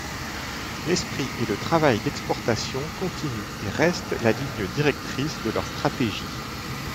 L'esprit et le travail d'exportation continuent et restent la ligne directrice de leur stratégie.